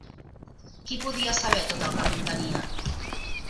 Qui podia saber tot el que contenia?